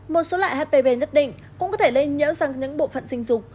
một số loại hpv nhất định cũng có thể lên nhớ rằng những bộ phận sinh dục